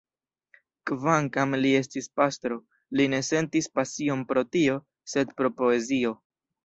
Kvankam li estis pastro, li ne sentis pasion pro tio, sed pro poezio.